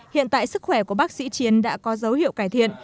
hiện tại sức khỏe của bác sĩ chiến đã có dấu hiệu cải thiện